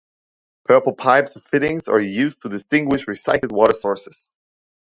Purple pipes and fittings are used to distinguish recycled water sources.